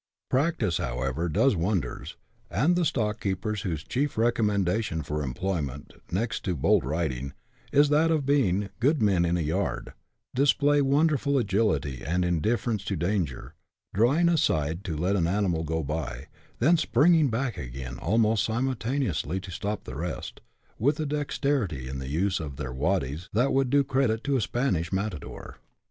Practice, however, does wonders ; and the stock keepers, CHAP. VI.] A STOCK YARD. 69 whose chief recommendation for employment, next to bold riding, is that of being "good men in a yard," display wonderful agility and indifference to danger, drawing aside to let an animal go by, then springing back again almost simultaneously to stop the rest, with a dexterity in the use of their " waddies " that would do credit to a Spanish matador.